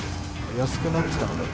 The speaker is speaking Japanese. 安くなってたので。